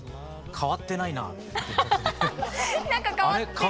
変わってないうん。